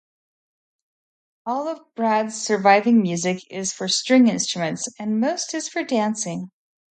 All of Brade's surviving music is for string instruments, and most is for dancing.